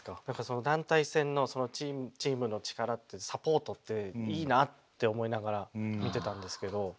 だから団体戦のそのチームの力ってサポートっていいなって思いながら見てたんですけど。